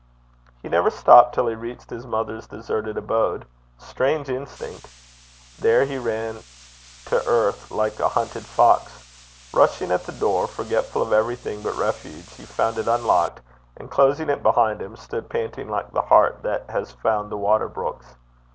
He never stopped till he reached his mother's deserted abode strange instinct! There he ran to earth like a hunted fox. Rushing at the door, forgetful of everything but refuge, he found it unlocked, and closing it behind him, stood panting like the hart that has found the water brooks.